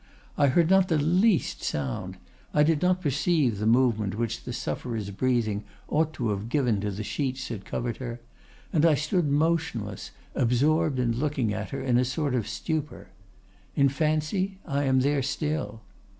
I heard not the least sound, I did not perceive the movement which the sufferer's breathing ought to have given to the sheets that covered her, and I stood motionless, absorbed in looking at her in a sort of stupor. In fancy I am there still.